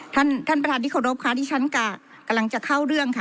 ท่านประธานดิขอบครับที่ฉันกำลังจะเข้าเรื่องค่ะ